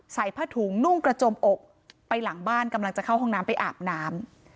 ใส่ผ้าถุงนุ่งกระจมอกไปหลังบ้านกำลังจะเข้าห้องน้ำไปอาบน้ำ